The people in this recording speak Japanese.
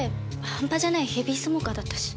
はんぱじゃないヘビースモーカーだったし。